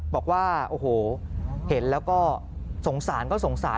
บอกว่าโอ้โหเห็นแล้วก็สงสารก็สงสาร